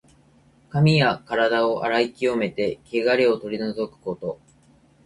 髪やからだを洗い清めて、けがれを取り除くこと。